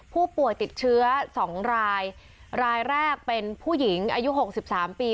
ผู้ป่วยติดเชื้อสองรายรายแรกเป็นผู้หญิงอายุหกสิบสามปี